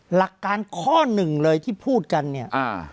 หลักการข้อหนึ่งเลยที่พูดกันเนี่ย